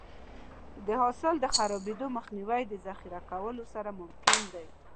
د حاصل د خرابېدو مخنیوی د ذخیره کولو سره ممکن دی.